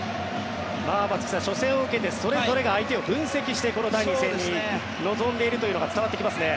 松木さん、初戦を受けてそれぞれが相手を分析してこの第２戦に臨んでいるのが伝わってきますね。